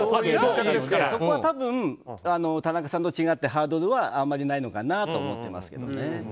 そこは多分、田中さんと違ってハードルはあまりないのかなと思いますけど。